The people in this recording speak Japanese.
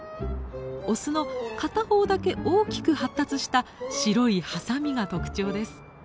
オスの片方だけ大きく発達した白いハサミが特徴です。